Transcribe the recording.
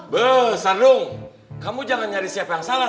beuh sardung kamu jangan nyari siapa yang salah